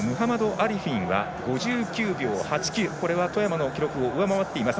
アリフィンは５９秒８９外山の記録を上回っています。